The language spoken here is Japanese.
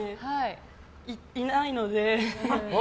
いないので。